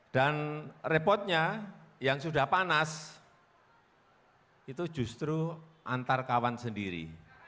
dan repotnya yang sudah panas itu justru antar kawan sendiri